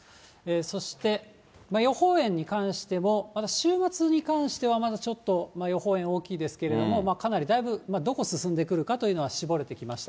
そして予報円に関しても、週末に関しては、まだちょっと、予報円、大きいですけれども、かなりだいぶ、どこ進んでくるかというのは絞れてきました。